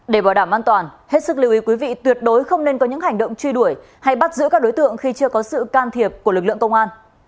để bảo đảm an toàn hết sức lưu ý quý vị tuyệt đối không nên có những hành động truy đuổi hay bắt giữ các đối tượng khi chưa có sự can thiệp của lực lượng công an